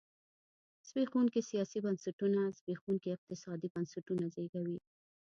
زبېښونکي سیاسي بنسټونه زبېښونکي اقتصادي بنسټونه زېږوي.